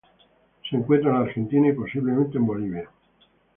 Se encuentra en la Argentina y, posiblemente, en Bolivia.